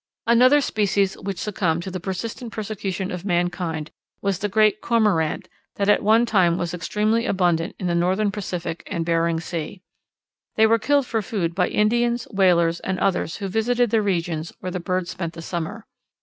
Another species which succumbed to the persistent persecution of mankind was the Great Cormorant that at one time was extremely abundant in the northern Pacific and Bering Sea. They were killed for food by Indians, whalers, and others who visited the regions where the birds spend the summer.